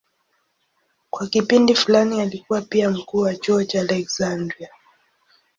Kwa kipindi fulani alikuwa pia mkuu wa chuo cha Aleksandria.